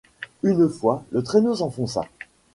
Une fois, le traîneau s’enfonça.